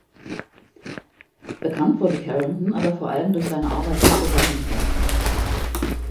Bekannt wurde Carrington aber vor allem durch seine Arbeiten zur Sonnenforschung.